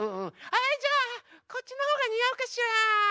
じゃあこっちのほうがにあうかしら？